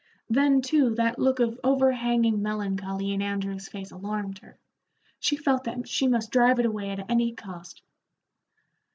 Then, too, that look of overhanging melancholy in Andrew's face alarmed her; she felt that she must drive it away at any cost.